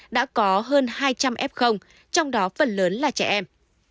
đã có hơn hai trăm linh f trong đó phần lớn là trẻ em